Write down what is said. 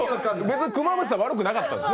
別にクマムシさん、悪くなかった。